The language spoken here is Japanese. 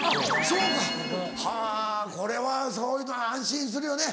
そうかはぁこれはそういうのは安心するよね。